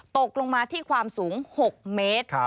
ตกลงมาที่ความสูง๖เมตร